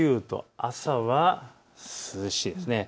朝は涼しいです。